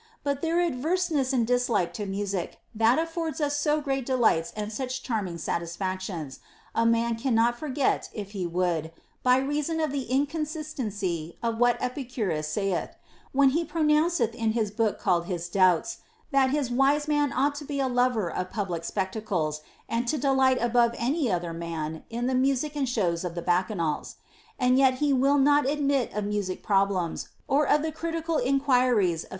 But their aver sedness and dislike to music, that affords us so great de lights and such charming satisfactions, a man could not forget if he would, by reason of the inconsistency of what Epicurus saith, when he pronounceth "in his book called his Doubts that his wise man ought to be a lover of pub lic spectacles and to delight above any other man in the music and shows of the Bacchanals ; and yet he will not admit of music problems or of the critical enquiries of ACCORDING TO EPICURUS.